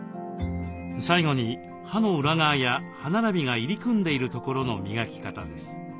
最後に歯の裏側や歯並びが入り組んでいる所の磨き方です。